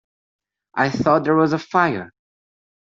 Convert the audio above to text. I thought there was a fire.